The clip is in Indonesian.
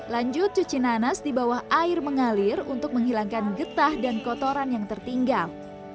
lanjut cuci nanas di bawah air mengalir untuk menghilangkan getah dan kotoran yang tertinggal